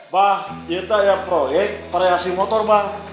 bah itu aja proyek variasi motor bah